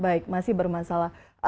baik masih bermasalah